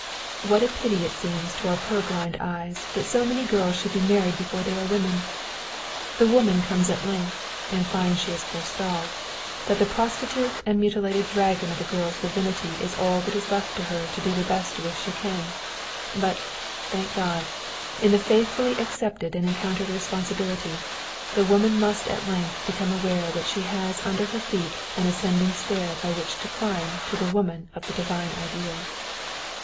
What a pity it seems to our purblind eyes that so many girls should be married before they are women! The woman comes at length, and finds she is forestalled that the prostrate and mutilated Dagon of a girl's divinity is all that is left her to do the best with she can! But, thank God, in the faithfully accepted and encountered responsibility, the woman must at length become aware that she has under her feet an ascending stair by which to climb to the woman of the divine ideal.